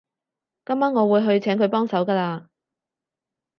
今晚我會去請佢幫手㗎喇